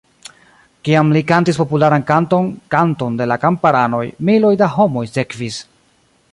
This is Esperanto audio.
Kiam li kantis popularan kanton 'Kanto de la Kamparanoj', miloj da homoj sekvis.